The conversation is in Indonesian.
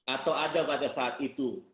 atau ada pada saat itu